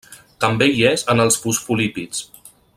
També hi és en els fosfolípids.